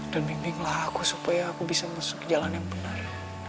dan bimbinglah aku supaya aku bisa masuk ke jalan yang benar